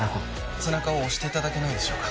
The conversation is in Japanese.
背中を押していただけないでしょうか？